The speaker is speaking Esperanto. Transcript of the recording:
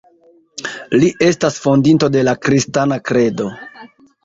Li estas Fondinto de la Kristana Kredo.